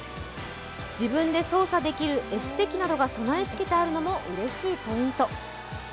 自分で操作できるエステ機などが備え付けてあるのもうれしいポイント。